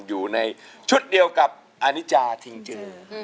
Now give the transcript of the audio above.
อยู่ในชุดเดียวกับอานิจาทิงเจ